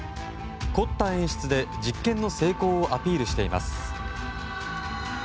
凝った演出で、実験の成功をアピールしています。